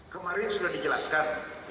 kemarin sudah dijelaskan